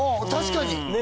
確かに。